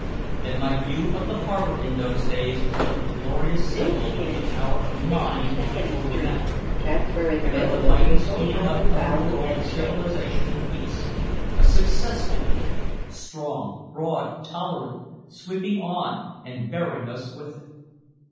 And my view of the harbor in those days was of a glorious symbol of the power of mind over matter, and of the mighty speeding up of a world of civilization and peace, a successful world, strong, broad, tolerant, sweeping on and bearing us with it.